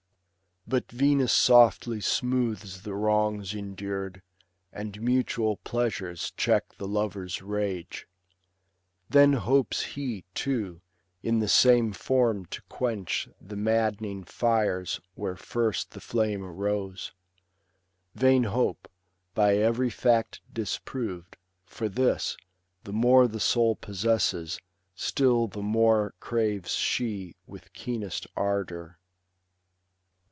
But Venus softly smooths the wrongs endur'd, And mutual pleasures cheek the lover's rage. Then hopes he, too, in the same form to quench The madd'ning fires where first the fiame arose. Vain hope, by every fact disproved ; for this, The more the soul possesses, still the more Craves she with keenest ardour.